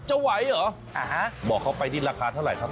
จะไหวเหรอบอกเขาไปที่ราคาเท่าไรครับ